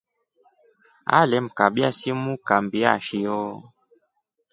Ale mkabya simu kambia nshio.